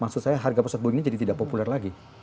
maksud saya harga pesawat ini jadi tidak populer lagi